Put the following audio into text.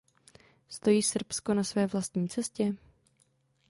Stojí Srbsko na své vlastní cestě?